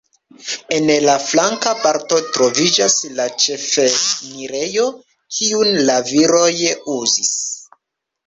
En la flanka parto troviĝas la ĉefenirejo, kiun la viroj uzis.